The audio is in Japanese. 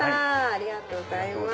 ありがとうございます。